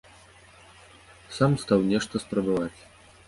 Сам стаў нешта спрабаваць.